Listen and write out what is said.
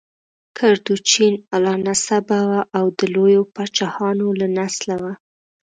کردوچین اعلی نسبه وه او د لویو پاچاهانو له نسله وه.